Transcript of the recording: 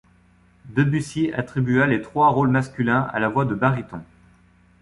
Debussy attribua les trois rôles masculins à la voix de baryton.